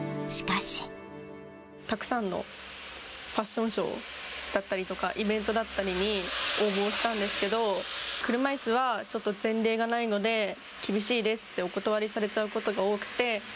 たくさんのファッションショーだったりとか、イベントだったりに応募をしたんですけど、車いすはちょっと前例がないので、厳しいですってお断りされちゃうことが多くて。